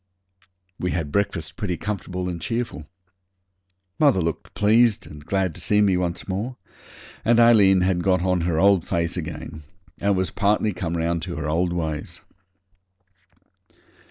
We had breakfast pretty comfortable and cheerful. Mother looked pleased and glad to see me once more, and Aileen had got on her old face again, and was partly come round to her old ways.